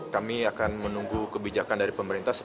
kami akan menunggu kebijakan dari pemerintah